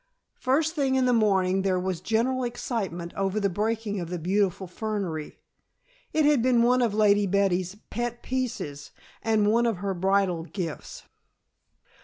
First thing in the morning there was general excitement over the breaking of the beautiful fernery. It had been one of Lady Betty's pet pieces, and one of her bridal gifts.